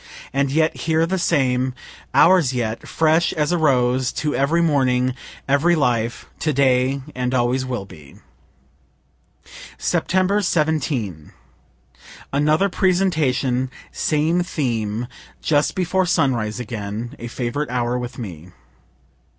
And yet here the same ours yet, fresh as a rose, to every morning, every life, to day and always will be. Sept. 17. Another presentation same theme just before sunrise again, (a favorite hour with me.)